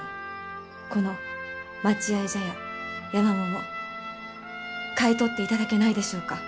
この待合茶屋山桃買い取っていただけないでしょうか？